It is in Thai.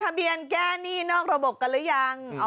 ทะเบียนแก้หนี้นอกระบบกันหรือยัง